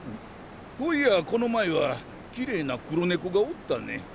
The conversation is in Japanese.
ほういやこの前はきれいな黒猫がおったね。